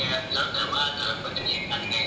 ถ้าหลังมาเข้าแล้วก็จะจัดการ